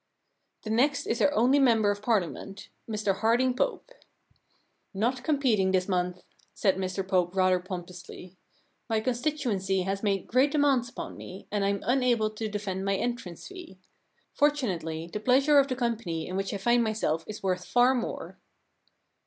* The next is our only member of Parlia ment, Mr Harding Pope.' * Not competing this month,' said Mr Pope rather pompously. * My constituency has made great demands upon me, and I'm unable to defend my entrance fee. Fortunately, the pleasure of the company 10 The Giraffe Problem in which I find myself is worth far more.'